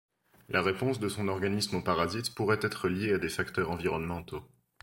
La réponse de son organisme au parasite pourrait être liée à des facteurs environnementaux.